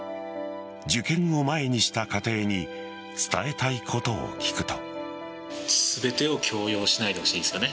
受験を前にした家庭に伝えたいことを聞くと。